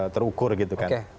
terukur gitu kan